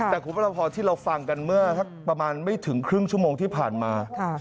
แต่คุณพระพรที่เราฟังกันเมื่อสักประมาณไม่ถึงครึ่งชั่วโมงที่ผ่านมา